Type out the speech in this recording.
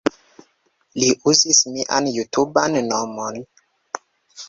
Li uzis mian jutuban nomon